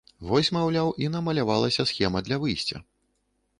Вось, маўляў, і намалявалася схема для выйсця.